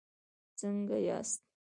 څنګه یاست؟